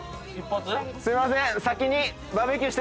すいません。